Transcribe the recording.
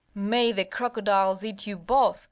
"May the crocodiles eat you both!"